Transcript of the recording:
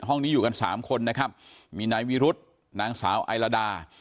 ห้องนี้อยู่กันสามคนนะครับมีนายวิรุธนางสาวไอลาดา